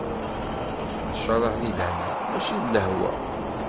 Ncalleh di lehna, mačči di lehwa.